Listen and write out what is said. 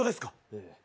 ええ。